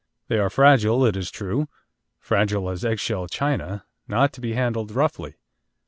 They are fragile, it is true fragile as eggshell china not to be handled roughly.